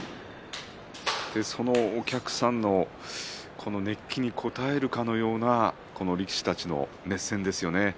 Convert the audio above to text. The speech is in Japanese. そのお客さんの熱気に応えるかのような力士たちの熱戦ですよね。